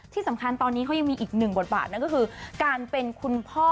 ที่สำคัญตอนนี้เขายังมีอีกหนึ่งบทบาทนั่นก็คือการเป็นคุณพ่อ